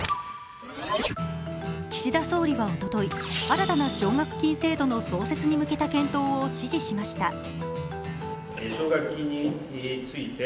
岸田総理はおととい、新たな奨学金制度の創設に向けた検討を指示しました。